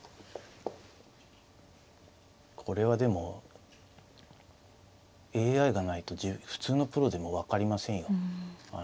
これはでもＡＩがないと普通のプロでも分かりませんよ。